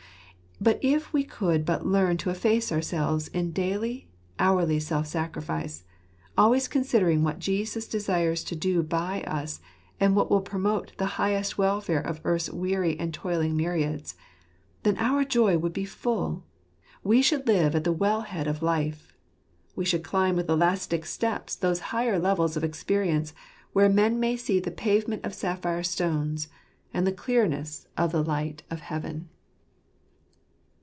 But if we could but learn to efface ourselves in daily, hourly self sacrifice, always considering what Jesus desires to do by us, and what will best promote the highest welfare of earth's weary and toiling myriads, then our joy would be full; we should live at the ■well head of life; we should climb with elastic steps those higher levels of experience, where men may see the pavement of sapphire stones and the clearness of the light of heaven.